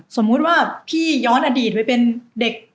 สมมุติว่าพี่ย้อนอดีตไว้เป็นเด็ก